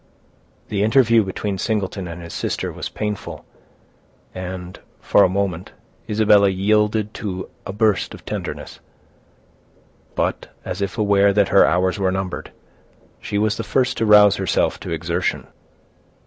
The interview between Singleton and his sister was painful, and, for a moment, Isabella yielded to a burst of tenderness; but, as if aware that her hours were numbered, she was the first to rouse herself to exertion.